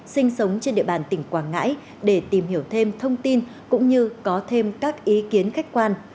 sinh sống trên địa bàn tỉnh quảng ngãi để tìm hiểu thêm thông tin cũng như có thêm các ý kiến khách quan